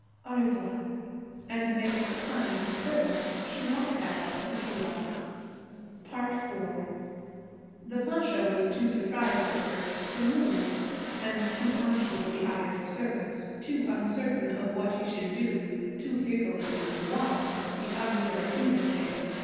Au revoir.' And making a sign to the servants she walked out of the kiosque. IV The Pasha was too surprised, at first, to move and too conscious of the eyes of servants, too uncertain of what he should do, too fearful of doing the wrong, the un European, thing.